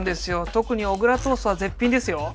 特に小倉トーストは絶品ですよ。